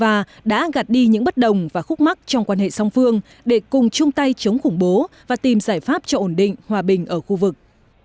nga đã gạt đi những bất đồng và khúc mắc trong quan hệ song phương để cùng chung tay chống khủng bố và tìm giải pháp cho ổn định hòa bình ở khu vực